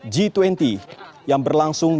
g dua puluh yang berlangsung